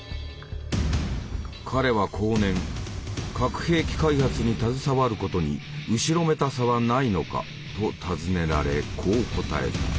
彼は後年「核兵器開発に携わることに後ろめたさはないのか」と尋ねられこう答えた。